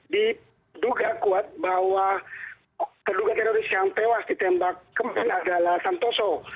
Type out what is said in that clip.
diduga kuat bahwa terduga teroris yang tewas ditembak kemarin adalah santoso